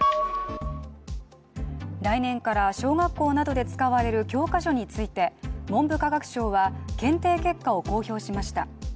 来年から小学校などで使われる教科書について文部科学省は検定結果を公表しました。